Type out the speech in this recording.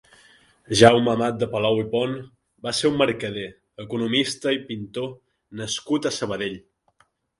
Jaume Amat de Palou i Pont va ser un mercader, economista i pintor nascut a Sabadell.